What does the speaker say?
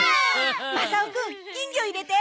マサオくん金魚入れて。